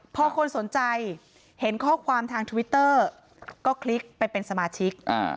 พอคนสนใจเห็นข้อความทางทวิตเตอร์ก็คลิกไปเป็นสมาชิก